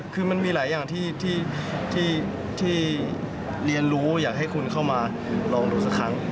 คือมันมีหลายอย่างที่เรียนรู้อยากให้คนเข้ามาลองดูสักครั้ง